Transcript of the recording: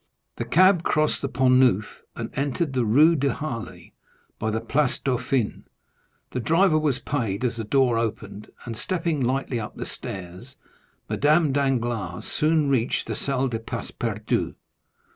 The cab crossed the Pont Neuf and entered the Rue de Harlay by the Place Dauphine; the driver was paid as the door opened, and stepping lightly up the stairs Madame Danglars soon reached the Salle des Pas Perdus.